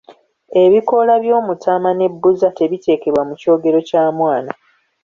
Ebikoola by'omutaama ne bbuza tebiteekwa mu kyogero kya mwana.